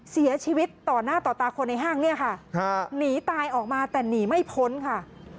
เสียชีวิตต่อหน้าต่อตาคนในห้างเนี่ยค่ะหนีตายออกมาแต่หนีไม่พ้นค่ะ